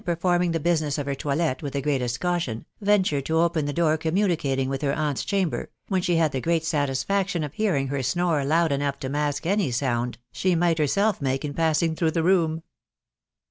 performing the business of her toilet with the greatest caution, ventured to open the door communicating with her annt'i chamber, when she had the great satisfaction of hearing her snore loud enough to mask any sound she might herself make in passing through the room.